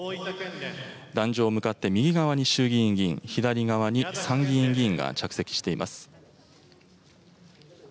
壇上向かって右側に衆議院議員、左側に参議院議員が着席しています。